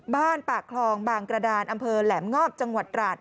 บ้านปากคลองบางกระดานอำเภอแหลมงอบจังหวัดราช